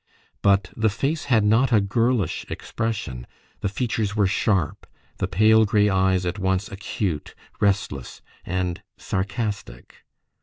But the face had not a girlish expression: the features were sharp, the pale grey eyes at once acute, restless, and sarcastic.